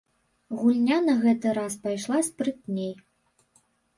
Гульня на гэты раз пайшла спрытней.